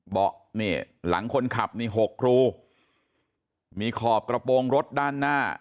เบาะนี่หลังคนขับนี่๖ครูมีขอบกระโปรงรถด้านหน้า